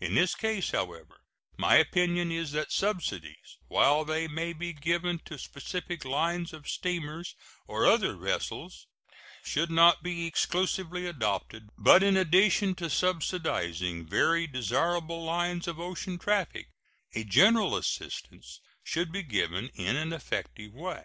In this case, however, my opinion is that subsidies, while they may be given to specified lines of steamers or other vessels, should not be exclusively adopted, but, in addition to subsidizing very desirable lines of ocean traffic, a general assistance should be given in an effective way.